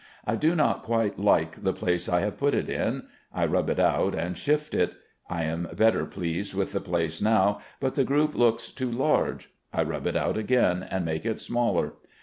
I do not quite like the place I have put it in; I rub it out, and shift it. I am better pleased with the place now, but the group looks too large; I rub it out again, and make it smaller.